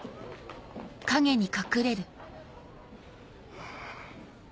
ハァ。